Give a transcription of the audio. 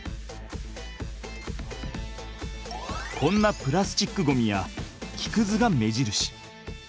こんなプラスチックごみや木くずが目印。